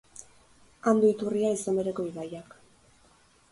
Han du iturria izen bereko ibaiak.